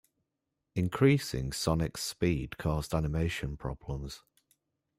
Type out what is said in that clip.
Increasing Sonic's speed caused animation problems.